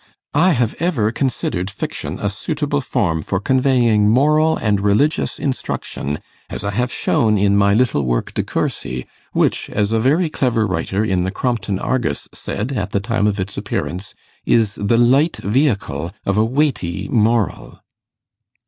I have ever considered fiction a suitable form for conveying moral and religious instruction, as I have shown in my little work 'De Courcy,' which, as a very clever writer in the Crompton 'Argus' said at the time of its appearance, is the light vehicle of a weighty moral.